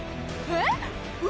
えっ！